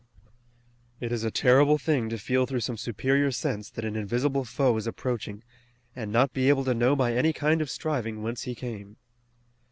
It is a terrible thing to feel through some superior sense that an invisible foe is approaching, and not be able to know by any kind of striving whence he came.